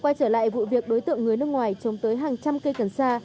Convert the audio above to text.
quay trở lại vụ việc đối tượng người nước ngoài trồng tới hàng trăm cây cần sa